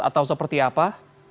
atau seperti apa